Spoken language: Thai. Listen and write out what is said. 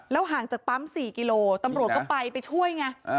ห่างจากปั๊ม๔กิโลตำรวจก็ไปไปช่วยไง